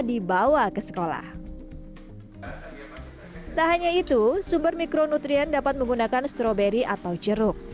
dibawa ke sekolah tak hanya itu sumber mikronutrien dapat menggunakan stroberi atau jeruk